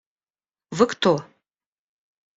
– Вы кто?